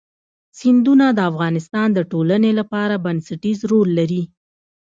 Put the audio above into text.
سیندونه د افغانستان د ټولنې لپاره بنسټيز رول لري.